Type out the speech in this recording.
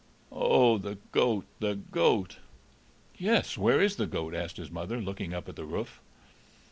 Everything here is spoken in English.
"Oh, the goat, the goat!" "Yes; where is the goat?" asked his mother, looking up at the roof.